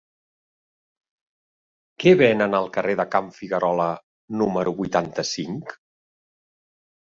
Què venen al carrer de Can Figuerola número vuitanta-cinc?